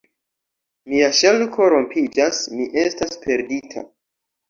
Mia ŝelko rompiĝas: mi estas perdita!